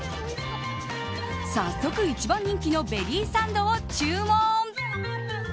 早速一番人気のベリーサンドを注文！